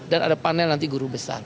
dan ada panel nanti guru besar